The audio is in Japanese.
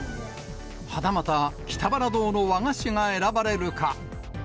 はたまた、北原堂の和菓子が選ばれるか。